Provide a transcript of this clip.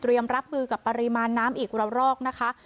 เตรียมรับมือกับปริมาณน้ำอีกร้อนรอกนะคะ